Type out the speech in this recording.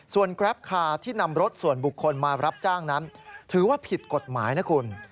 ส่วนแกรปคาร์ที่นำรถส่วนบุคคลมารับจ้างนั้นถือว่าผิดกฎหมายนะคุณ